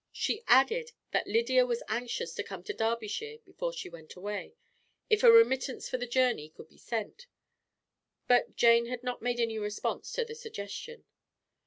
She added that Lydia was anxious to come to Derbyshire before she went away, if a remittance for the journey could be sent, but Jane had not made any response to the suggestion.